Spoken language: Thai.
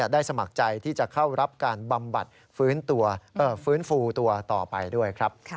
สมัครใจที่จะเข้ารับการบำบัดฟื้นฟูตัวต่อไปด้วยครับ